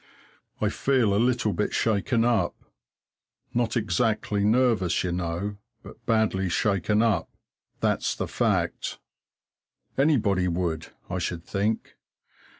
I feel a little bit shaken up not exactly nervous, you know, but badly shaken up, that's the fact. Anybody would, I should think.